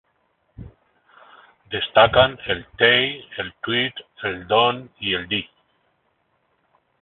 Destacan el Tay, el Tweed, el Don y el Dee.